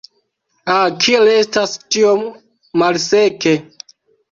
Ah, kiel estas tiom malseke!